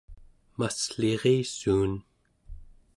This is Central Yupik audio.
masslirissuun